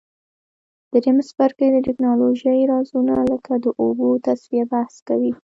دریم څپرکی د تکنالوژۍ رازونه لکه د اوبو تصفیه بحث کوي.